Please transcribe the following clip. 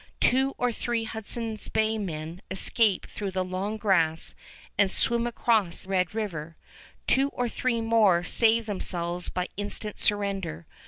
Two or three Hudson's Bay men escape through the long grass and swim across Red River. Two or three more save themselves by instant surrender.